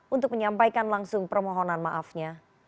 untuk menyampaikan langsung permohonan maafnya